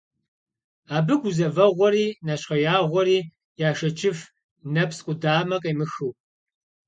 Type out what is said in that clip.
Абы гузэвгъуэри нэщхъеягъуэри яшэчыф, нэпс къудамэ къемыхыу.